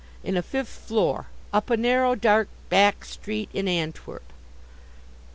—in a fifth floor, up a narrow dark back street in Antwerp.